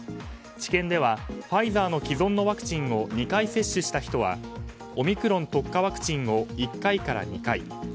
治験ではファイザーの既存のワクチンを２回接種した人はオミクロン特化ワクチンを１回から２回。